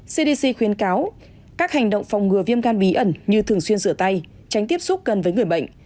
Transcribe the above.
cdc khuyến cáo các hành động phòng ngừa viêm gan bí ẩn như thường xuyên rửa tay tránh tiếp xúc gần với người bệnh